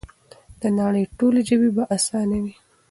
د نړۍ ټولې ژبې به اسانې وي؛